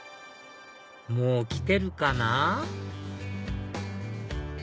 もう来てるかな？